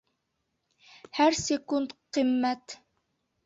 Һәр секунд ҡиммәт.